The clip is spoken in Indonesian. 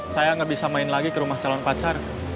saya nggak bisa main lagi ke rumah calon pacar